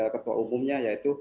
ketua umumnya yaitu